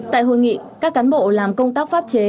tại hội nghị các cán bộ làm công tác phát triển